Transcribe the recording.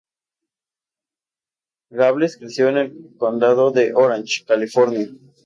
Gables creció en el Condado de Orange, California.